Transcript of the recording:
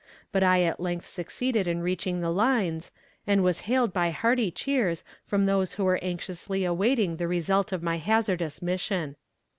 But I at length succeeded in reaching the lines, and was hailed by hearty cheers from those who were anxiously awaiting the result of my hazardous mission.